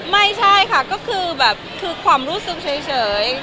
ไม่ใช่ครับความรู้สึกเฉย